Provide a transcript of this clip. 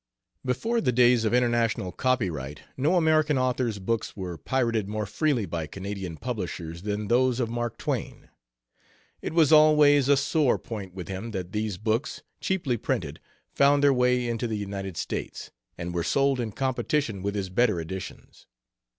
Before the days of international copyright no American author's books were pirated more freely by Canadian publishers than those of Mark Twain. It was always a sore point with him that these books, cheaply printed, found their way into the United States, and were sold in competition with his better editions.